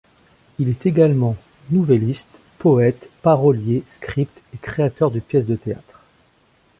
Il est également nouvelliste, poète, parolier, scripte et créateur de pièce de théâtre.